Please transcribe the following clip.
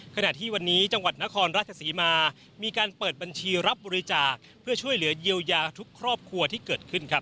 ขณะที่วันนี้จังหวัดนครราชศรีมามีการเปิดบัญชีรับบริจาคเพื่อช่วยเหลือเยียวยาทุกครอบครัวที่เกิดขึ้นครับ